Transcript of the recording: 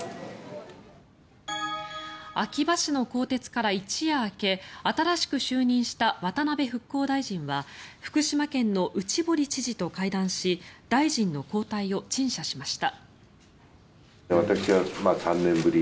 秋葉氏の更迭から一夜明け新しく就任した渡辺復興大臣は福島県の内堀知事と会談し大臣の交代を陳謝しました。